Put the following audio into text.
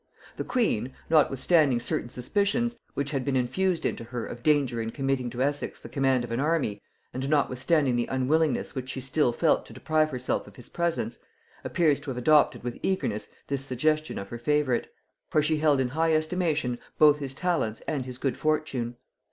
The queen, notwithstanding certain suspicions which had been infused into her of danger in committing to Essex the command of an army, and notwithstanding the unwillingness which she still felt to deprive herself of his presence, appears to have adopted with eagerness this suggestion of her favorite; for she held in high estimation both his talents and his good fortune.